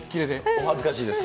お恥ずかしいです。